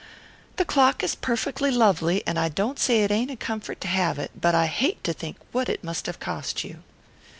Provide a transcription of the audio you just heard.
"The clock is perfectly lovely and I don't say it ain't a comfort to have it; but I hate to think what it must have cost you."